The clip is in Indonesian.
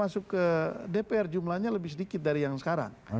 masuk ke dpr jumlahnya lebih sedikit dari yang sekarang